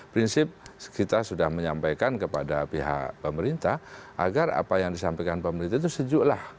prinsip kita sudah menyampaikan kepada pihak pemerintah agar apa yang disampaikan pemerintah itu sejuklah